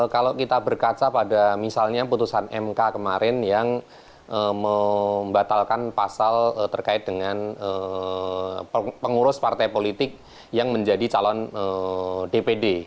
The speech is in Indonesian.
kalau kita berkaca pada misalnya putusan mk kemarin yang membatalkan pasal terkait dengan pengurus partai politik yang menjadi calon dpd